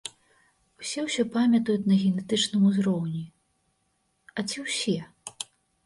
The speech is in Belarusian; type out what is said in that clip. Усе ўсё памятаюць на генетычным узроўні, а ці ўсе?